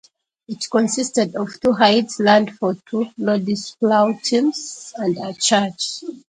It consisted of two hides, land for two lord's plough teams and a church.